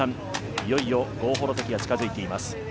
いよいよ号砲のときが近づいてきています。